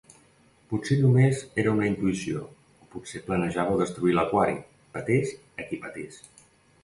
Potser només era una intuïció, o potser planejava destruir l'aquari, petés a qui petés.